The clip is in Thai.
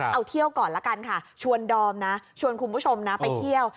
เอาเที่ยวก่อนละกันค่ะชวนดอมนะชวนคุณผู้ชมนะไปเที่ยว